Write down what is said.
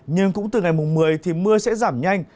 nhưng cũng từ ngày mùng một mươi thì mưa sẽ giảm nhanh